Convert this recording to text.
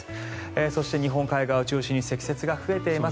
そして、日本海側を中心に積雪が増えています。